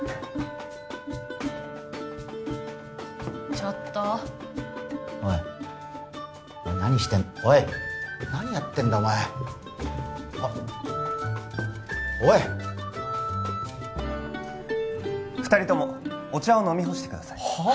ちょっとおい何してんのおい何やってんだお前あッおい二人ともお茶を飲み干してはあ？